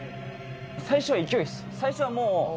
最初は勢いっす